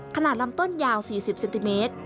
ลำต้นยาว๔๐เซนติเมตร